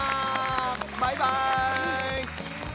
バイバイ！